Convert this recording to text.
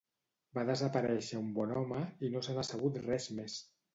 Va desaparèixer un bon home i no se n'ha sabut res més